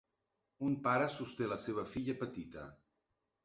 Un pare sosté la seva filla petita.